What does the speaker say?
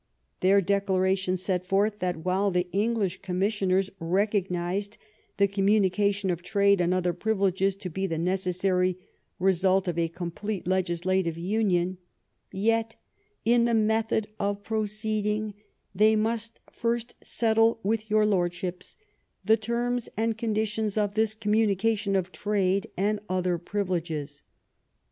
Their declaration set forth that while the English commissioners recog nized the communication of trade and other privileges to be the necessary result of a complete legislative union, "yet in the method of proceeding they must first settle with your lordships the terms and condi tions of this communication of trade and other privi leges."